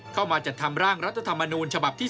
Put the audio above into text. เข้ามาจัดทำร่างรัฐธรรมนูญฉบับที่๓